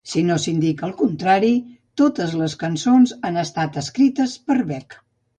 Si no s'indica el contrari, totes les cançons han estat escrites per Beck.